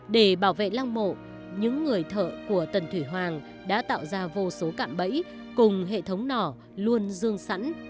để bảo vệ lăng mộ những người thợ của tần thủy hoàng đã tạo ra vô số cạm bẫy cùng hệ thống nỏ luôn dương sẵn